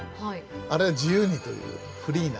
あれは自由にというフリーな。